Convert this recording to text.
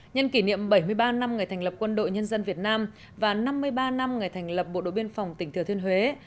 nhân kỷ niệm bảy mươi ba năm ngày thành lập quân đội nhân dân việt nam và năm mươi ba năm ngày thành lập bộ đội biên phòng tỉnh thừa thiên huế